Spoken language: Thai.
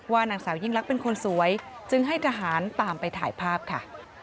นางสาวยิ่งลักษณ์เป็นคนสวยจึงให้ทหารตามไปถ่ายภาพค่ะ